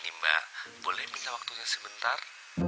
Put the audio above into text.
ini mbak boleh minta waktu saya sebentar